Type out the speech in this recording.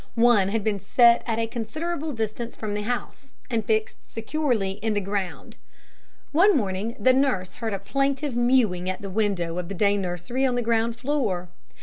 One had been set at a considerable distance from the house, and fixed securely in the ground. One morning the nurse heard a plaintive mewing at the window of the day nursery on the ground floor.